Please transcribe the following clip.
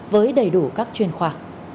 với đầy đủ các chuyên khoa